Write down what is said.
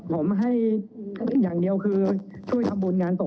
ผมก็ไม่เคยเกิดเหตุการณ์อย่างนี้ผมก็อายุน้อยแล้วก็ประสบการณ์น้อยก็ยอมรับผิดครับ